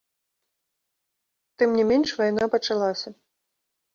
Тым не менш, вайна пачалася.